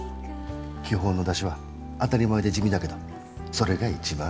基本の出汁は当たり前で地味だけどそれが一番大事。